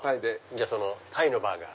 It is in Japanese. じゃあそのタイのバーガー。